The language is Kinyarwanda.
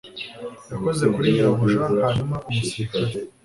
yakozwe kuri nyirabuja. hanyuma umusirikare